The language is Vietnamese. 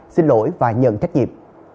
xin lỗi và nhận trách nhiệm